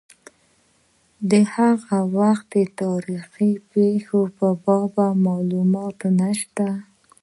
د هغه وخت تاریخي پېښو په باب معلومات نشته.